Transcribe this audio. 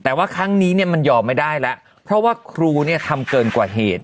แต่ว่าครั้งนี้เนี่ยมันยอมไม่ได้แล้วเพราะว่าครูเนี่ยทำเกินกว่าเหตุ